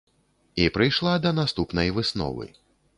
І прыйшла да наступнай высновы.